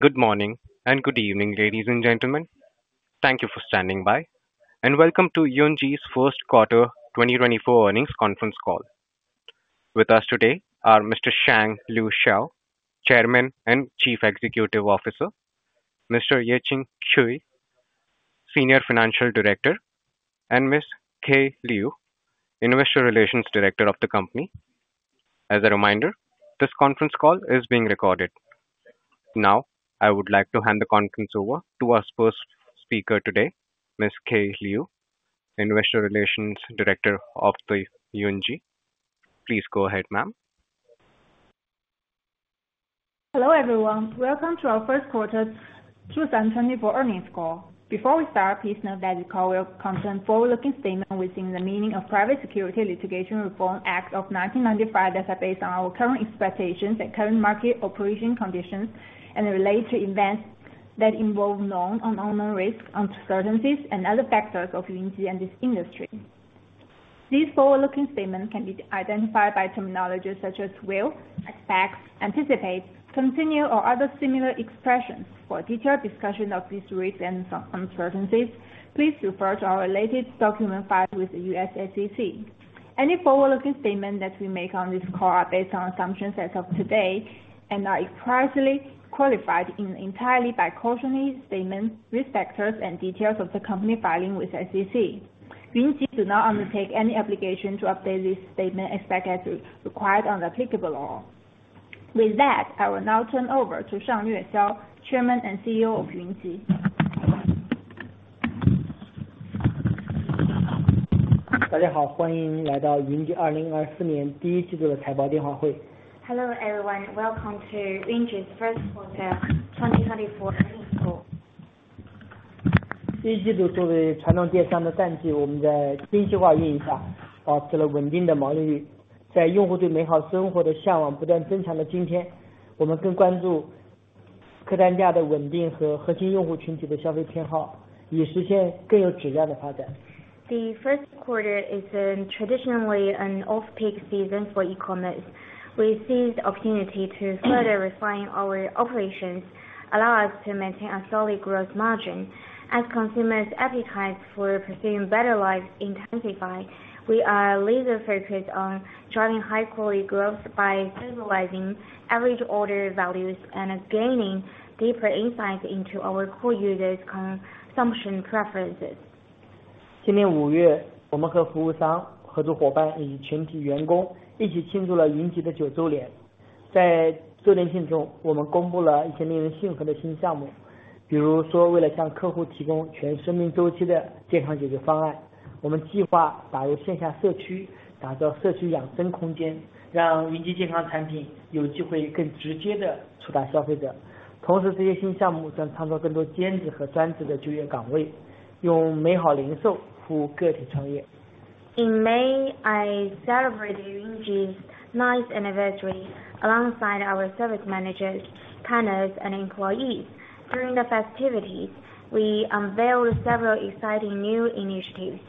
Good morning, and good evening, ladies and gentlemen. Thank you for standing by, and welcome to Yunji's Q1 2024 Earnings Conference Call. With us today are Mr. Shanglue Xiao, Chairman and Chief Executive Officer, Mr. Yeqing Cui, Senior Financial Director, and Ms. Kaye Liu, Investor Relations Director of the company. As a reminder, this conference call is being recorded. Now, I would like to hand the conference over to our first speaker today, Ms. Kaye Liu, Investor Relations Director of the Yunji. Please go ahead, ma'am. Hello, everyone. Welcome to our Q1 2024 Earnings Call. Before we start, please note that the call will contain forward-looking statements within the meaning of Private Securities Litigation Reform Act of 1995, that are based on our current expectations and current market operation conditions, and relate to events that involve known and unknown risks, uncertainties, and other factors of Yunji and its industry. These forward-looking statements can be identified by terminology such as will, expect, anticipate, continue, or other similar expressions. For a detailed discussion of these risks and some uncertainties, please refer to our related document filed with the U.S. SEC. Any forward-looking statement that we make on this call are based on assumptions as of today, and are expressly qualified in entirety by cautionary statements, risk factors, and details of the company filing with SEC. Yunji does not undertake any obligation to update this statement, except as required under applicable law. With that, I will now turn over to Shanglue Xiao, Chairman and CEO of Yunji. Hello, everyone. Welcome to Yunji's Q1 2024 earnings call. The Q1 is traditionally an off-peak season for e-commerce. We seize the opportunity to further refine our operations, allowing us to maintain a solid gross margin. As consumers' appetite for pursuing better lives intensify, we are laser-focused on driving high-quality growth by stabilizing average order values and gaining deeper insights into our core users' consumption preferences. In May, I celebrated Yunji's ninth anniversary alongside our service managers, partners, and employees. During the festivities, we unveiled several exciting new initiatives.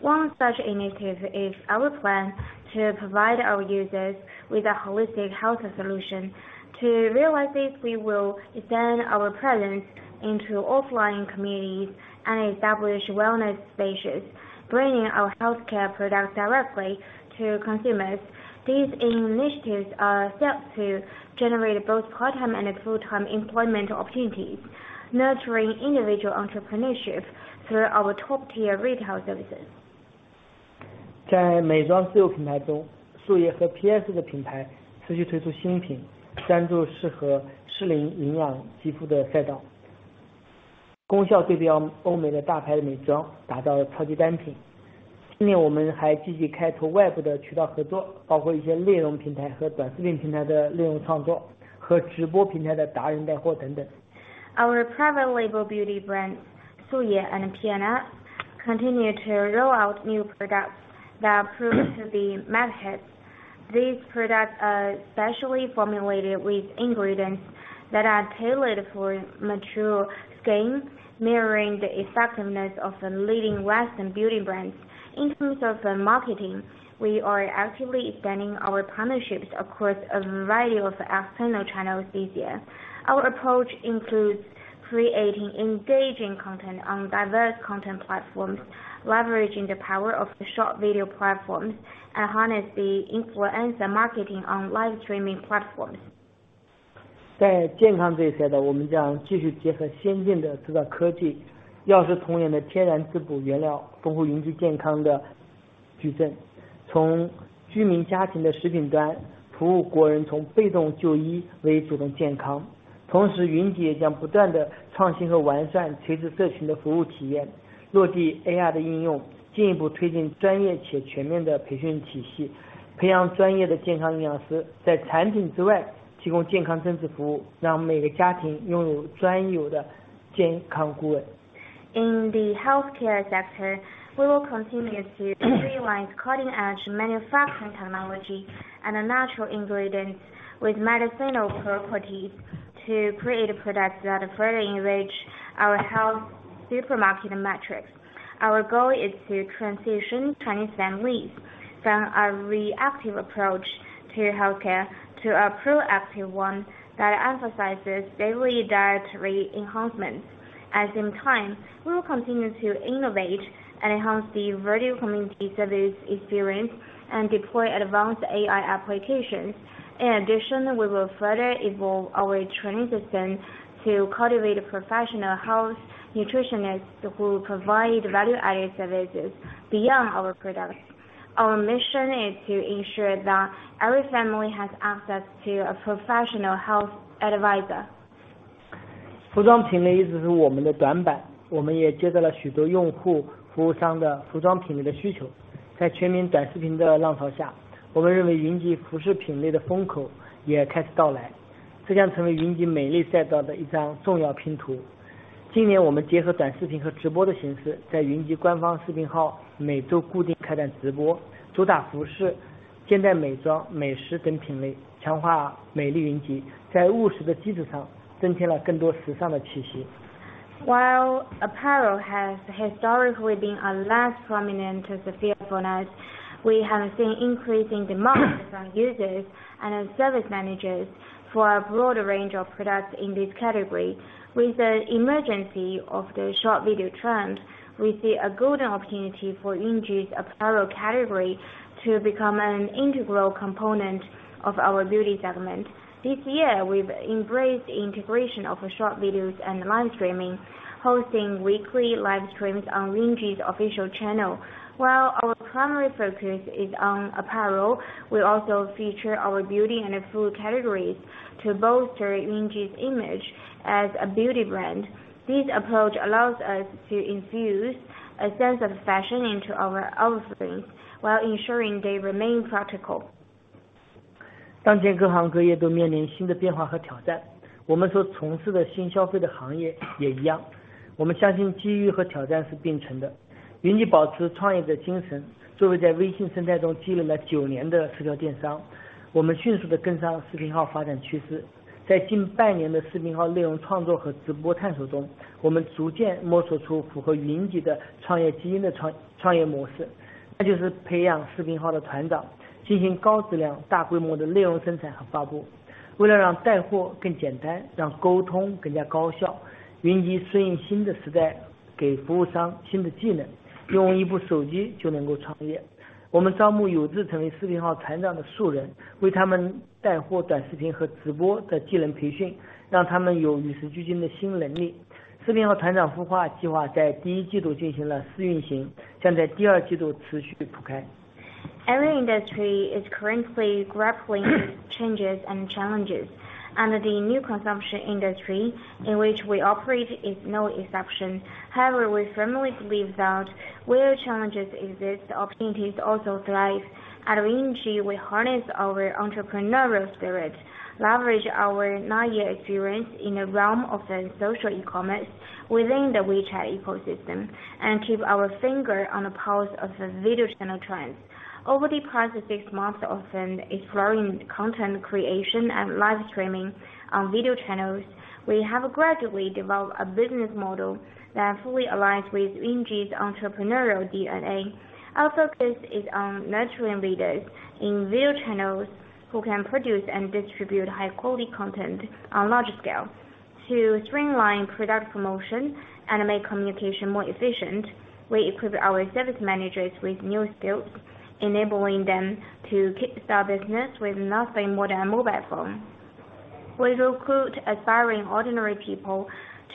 One such initiative is our plan to provide our users with a holistic health solution. To realize this, we will extend our presence into offline communities and establish wellness spaces, bringing our healthcare products directly to consumers. These initiatives are set to generate both part-time and full-time employment opportunities, nurturing individual entrepreneurship through our top-tier retail services. Our private label beauty brands, Su Ye and P&S continue to roll out new products that prove to be mega hits. These products are specially formulated with ingredients that are tailored for mature skin, mirroring the effectiveness of the leading Western beauty brands. In terms of marketing, we are actively expanding our partnerships across a variety of external channels this year. Our approach includes creating engaging content on diverse content platforms, leveraging the power of the short video platforms, and harness the influencer marketing on live streaming platforms. In the healthcare sector, we will continue to utilize cutting-edge manufacturing technology and natural ingredients with medicinal properties to create products that further enrich our health supermarket metrics. Our goal is to transition Chinese families from a reactive approach to healthcare to a proactive one that emphasizes daily dietary enhancements. At the same time, we will continue to innovate and enhance the virtual community service experience and deploy advanced AI applications. In addition, we will further evolve our training system to cultivate professional health nutritionists who provide value-added services beyond our products. Our mission is to ensure that every family has access to a professional health advisor. While apparel has historically been a less prominent category for us, we have seen increasing demand from users and our service managers for a broader range of products in this category. With the emergence of the short video trend, we see a golden opportunity for Yunji's apparel category to become an integral component of our beauty segment. This year, we've embraced the integration of short videos and live streaming, hosting weekly live streams on Yunji's official channel. While our primary focus is on apparel, we also feature our beauty and food categories to bolster Yunji's image as a beauty brand. This approach allows us to infuse a sense of fashion into our offerings, while ensuring they remain practical. While every industry is currently grappling with changes and challenges, and the new consumption industry in which we operate is no exception. However, we firmly believe that where challenges exist, opportunities also thrive. At Yunji, we harness our entrepreneurial spirit, leverage our 9-year experience in the realm of the social e-commerce within the WeChat ecosystem, and keep our finger on the pulse of the video channel trends. Over the past 6 months of the exploring content creation and live streaming on video channels, we have gradually developed a business model that fully aligns with Yunji's entrepreneurial DNA. Our focus is on nurturing leaders in video channels who can produce and distribute high quality content on large scale. To streamline product promotion and make communication more efficient, we equip our service managers with new skills, enabling them to kick-start business with nothing more than a mobile phone. We recruit aspiring ordinary people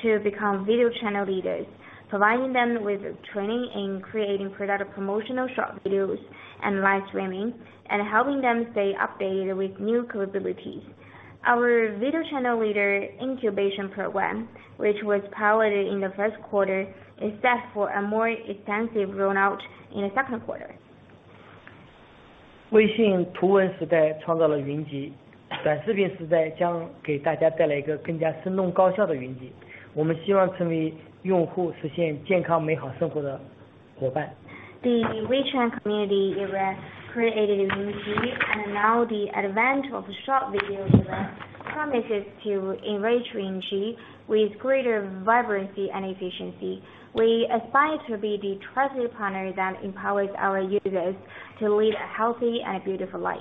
to become video channel leaders, providing them with training in creating product promotional short videos and live streaming, and helping them stay updated with new capabilities. Our video channel leader incubation program, which was piloted in the Q1, is set for a more extensive rollout in the Q2. 微信图文时代创造了云集，短视频时代将给大家带来一个更加生动高效的云集。我们希望成为用户实现健康美好生活的伙伴。The WeChat community era created Yunji, and now the advent of short video era promises to enrich Yunji with greater vibrancy and efficiency. We aspire to be the trusted partner that empowers our users to lead a healthy and beautiful life.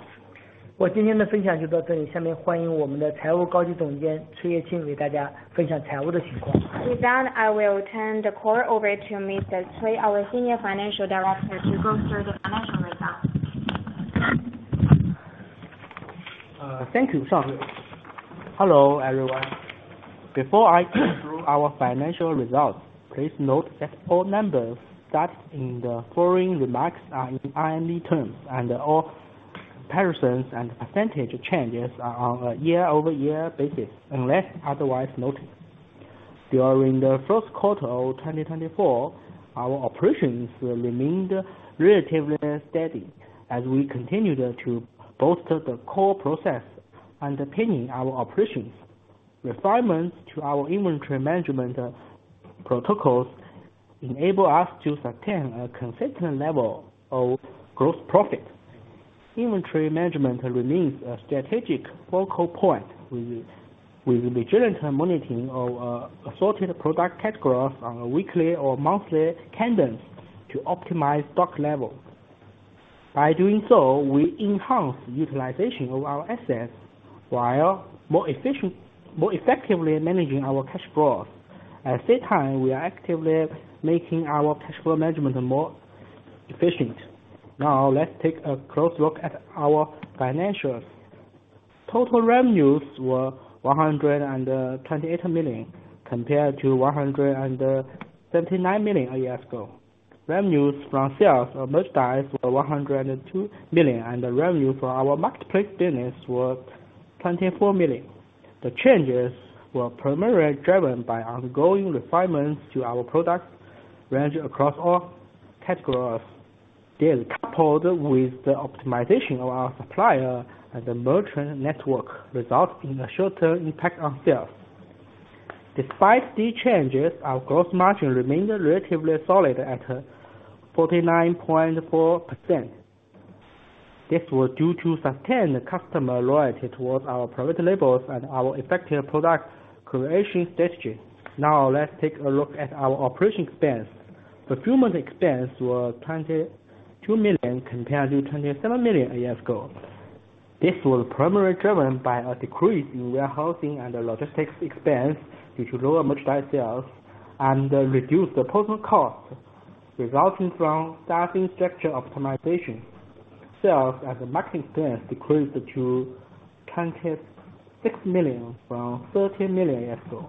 我今天的分享就到这里，下面欢迎我们的财务高级总监崔叶青给大家分享财务的情况。With that, I will turn the call over to Mr. Cui, our Senior Financial Director, to go through the financial results. Thank you, Shanglue. Hello, everyone. Before I go through our financial results, please note that all numbers stated in the following remarks are in RMB terms, and all comparisons and percentage changes are on a year-over-year basis, unless otherwise noted. During the Q1 of 2024, our operations remained relatively steady as we continued to bolster the core process underpinning our operations. Refinements to our inventory management protocols enable us to sustain a consistent level of gross profit. Inventory management remains a strategic focal point. With vigilant monitoring of assorted product categories on a weekly or monthly cadence to optimize stock levels. By doing so, we enhance utilization of our assets while more efficient, more effectively managing our cash flows. At the same time, we are actively making our cash flow management more efficient. Now, let's take a close look at our financials. Total revenues were 128 million, compared to 179 million a year ago. Revenues from sales of merchandise were 102 million, and the revenue from our marketplace business was 24 million. The changes were primarily driven by ongoing refinements to our product range across all categories. This, coupled with the optimization of our supplier and the merchant network, results in a short-term impact on sales. Despite these changes, our gross margin remained relatively solid at 49.4%. This was due to sustained customer loyalty towards our private labels and our effective product creation strategy. Now, let's take a look at our operating expense. Fulfillment expense was 22 million, compared to 27 million a year ago. This was primarily driven by a decrease in warehousing and logistics expense, due to lower merchandise sales and reduced personnel costs, resulting from staff structure optimization. Sales and marketing expense decreased to 26 million from 30 million a year ago.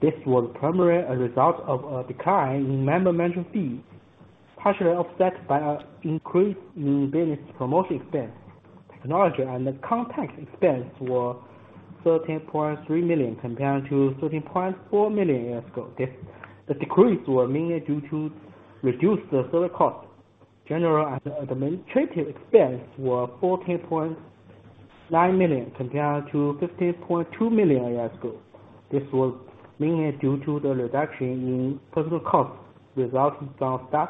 This was primarily a result of a decline in member management fees, partially offset by an increase in business promotion expense. Technology and content expense were 13.3 million, compared to 13.4 million a year ago. This decrease was mainly due to reduced server costs. General and administrative expense were 14.9 million, compared to 15.2 million a year ago. This was mainly due to the reduction in personnel costs, resulting from staff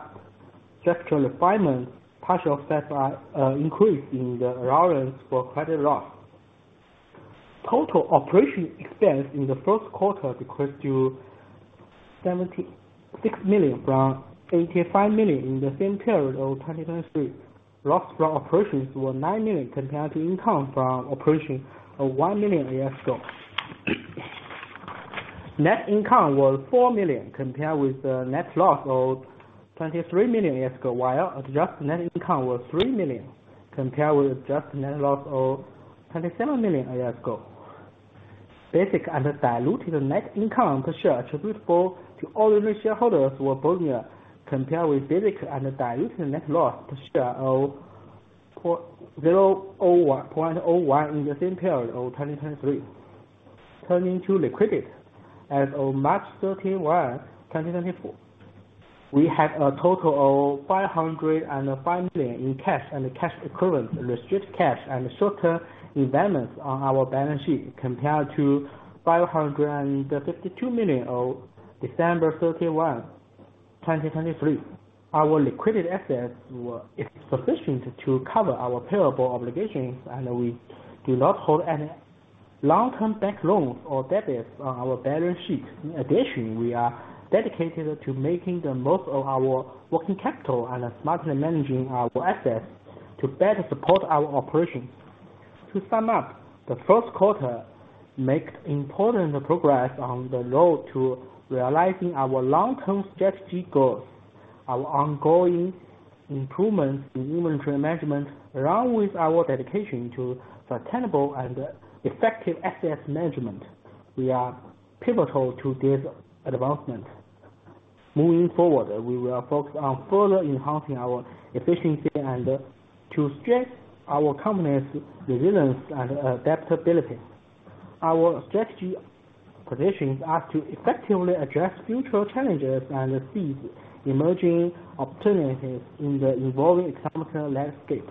structural refinement, partially offset by increase in the allowance for credit loss. Total operation expense in the Q1 decreased to 76 million from 85 million in the same period of 2023. Loss from operations were 9 million, compared to income from operation of 1 million a year ago. Net income was 4 million, compared with the net loss of 23 million a year ago, while adjusted net income was 3 million, compared with adjusted net loss of 27 million a year ago. Basic and diluted net income per share attributable to ordinary shareholders were CNY 0.01, compared with basic and diluted net loss per share of negative 0.01 in the same period of 2023. Turning to liquidity. As of March 31, 2024, we had a total of 505 million in cash and cash equivalents, restricted cash and short-term investments on our balance sheet, compared to 552 million as of December 31, 2023. Our liquid assets were sufficient to cover our payable obligations, and we do not hold any long-term bank loans or debts on our balance sheet. In addition, we are dedicated to making the most of our working capital and smartly managing our assets to better support our operations. To sum up, the Q1 makes important progress on the road to realizing our long-term strategy goals. Our ongoing improvements in inventory management, along with our dedication to sustainable and effective asset management, we are pivotal to this advancement. Moving forward, we will focus on further enhancing our efficiency and to strengthen our company's resilience and adaptability. Our strategy positions us to effectively address future challenges and seize emerging opportunities in the evolving e-commerce landscape.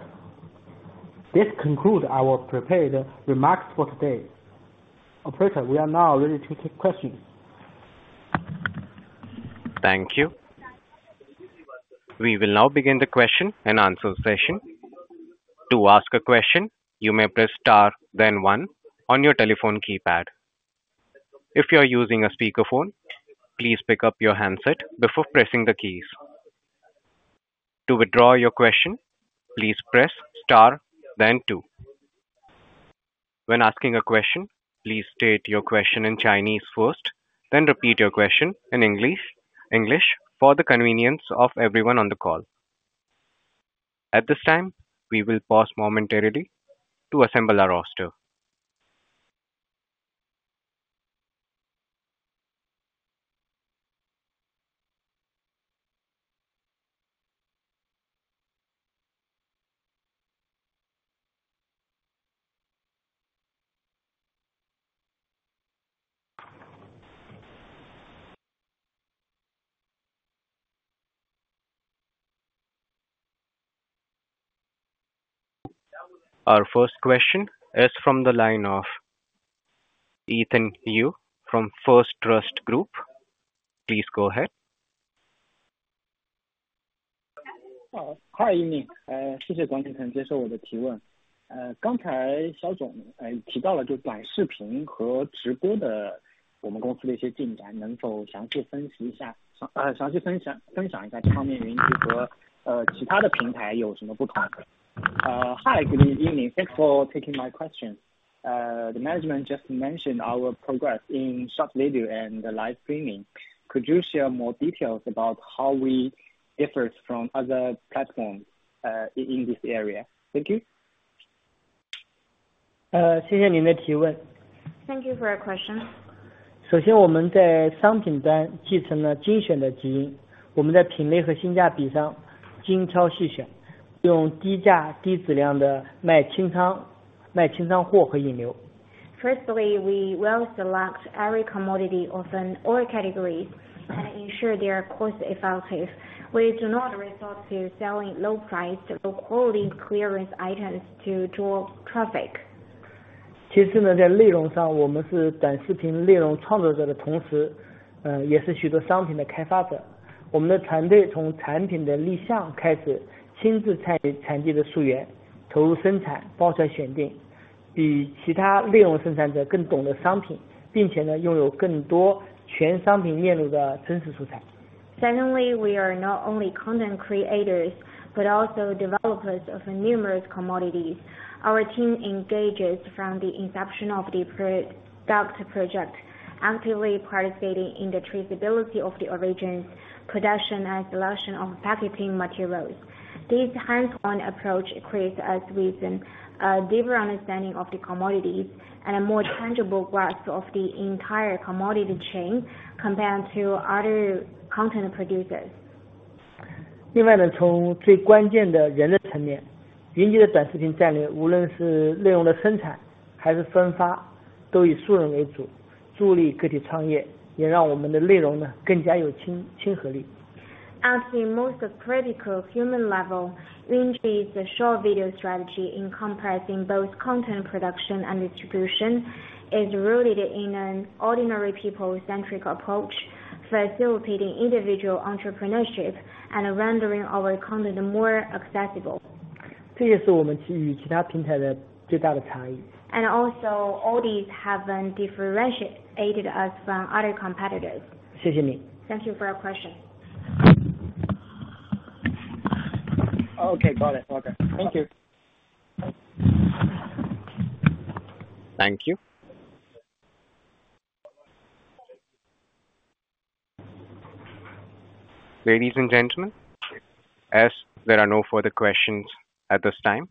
This concludes our prepared remarks for today. Operator, we are now ready to take questions. Thank you. We will now begin the Q&A session. To ask a question, you may press star, then one on your telephone keypad. If you are using a speakerphone, please pick up your handset before pressing the keys. To withdraw your question, please press star then two. When asking a question, please state your question in Chinese first, then repeat your question in English, English, for the convenience of everyone on the call. At this time, we will pause momentarily to assemble our roster. Our first question is from the line of Ethan Yu from First Trust Group. Please go ahead. ...好，嗨，一名，谢谢管理层接受我的提问。刚才肖总，提到了就短视频和直播的我们公司的一些进展，能否详细分析一下，详细分享，分享一下Yunji和，其他的平台有什么不同。Hi, good evening, thanks for taking my question. The management just mentioned our progress in short video and live streaming. Could you share more details about how we differs from other platforms, in this area? Thank you. 谢谢您的提问。Thank you for your question. 首先我们在商品端继承了精选的基因，我们在品类和性价比上精挑细选，用低价低质量的卖清仓，卖清仓货和引流。Firstly, we will select every commodity in all categories and ensure they are cost-effective. We do not resort to selling low-price, low-quality clearance items to draw traffic. 其实呢，在内容上我们是短视频内容创作者的同时，也是许多商品的开发者。我们的团队从产品的立项开始，亲自参与产品的溯源，投入生产，包装选定，比其他内容生产者更懂得商品，并且呢拥有更多全商品链路的真实素材。Secondly, we are not only content creators, but also developers of numerous commodities. Our team engages from the inception of the product project, actively participating in the traceability of the origins, production, and selection of packaging materials. This hands-on approach equips us with a deeper understanding of the commodities and a more tangible grasp of the entire commodity chain compared to other content producers. 另外呢，从最关键的人的层面，云集的短视频战略，无论 是内容的 生产还是分发，都以素人为主，助力个体创业，也让我们的内容呢更加有亲和力。As in most critical human level, Yunji's short video strategy, encompassing both content production and distribution, is rooted in an ordinary people-centric approach, facilitating individual entrepreneurship and rendering our content more accessible. 这是我们其余其他平台的最大的差异。Also, all these have differentiated us from other competitors. 谢谢你。Thank you for your question. OK, got it. OK, thank you. Thank you. Ladies and gentlemen, as there are no further questions at this time,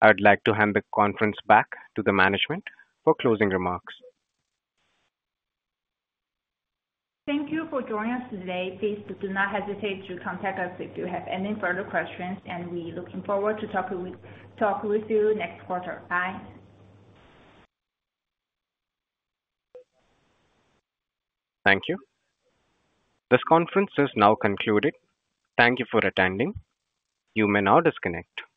I'd like to hand the conference back to the management for closing remarks. Thank you for joining us today. Please do not hesitate to contact us if you have any further questions, and we looking forward to talk with you next quarter. Bye. Thank you. This conference is now concluded. Thank you for attending. You may now disconnect.